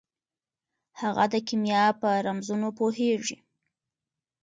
هغه د کیمیا په رمزونو پوهیږي.